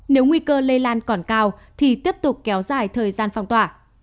nếu nguy cơ lây lan còn cao thì tiếp tục kéo dài thời gian phong tỏa